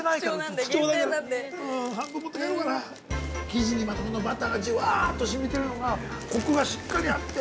生地に、またこのバターがじゅわーっとしみてるのがコクがしっかりあって。